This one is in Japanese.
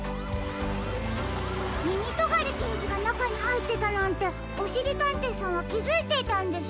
みみとがりけいじがなかにはいってたなんておしりたんていさんはきづいていたんですか？